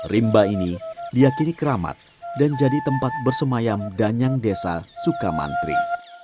rimba ini diakini keramat dan jadi tempat bersemayam danyang desa sukamantri